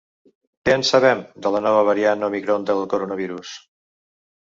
Què en sabem, de la nova variant òmicron del coronavirus?